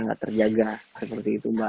nggak terjaga seperti itu mbak